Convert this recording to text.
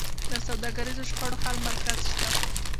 د سوداګریزو شخړو حل مرکز شته؟